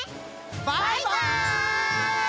バイバイ！